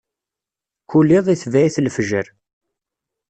Kul iḍ, itbeɛ-it lefjer.